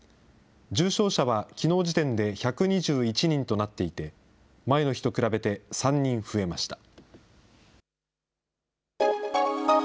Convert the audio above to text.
重症者はきのう時点で１２１人となっていて、前の日と比べて３人増えました。